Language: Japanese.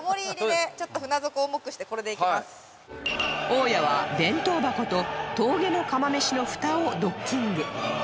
大家は弁当箱と峠の釜めしのフタをドッキング